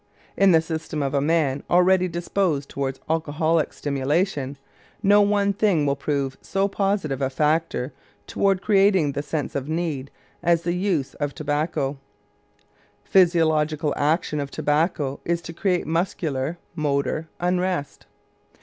In the system of a man already disposed toward alcoholic stimulation, no one thing will prove so positive a factor toward creating the sense of need as the use of tobacco. Physiological action of tobacco is to create muscular (motor) unrest.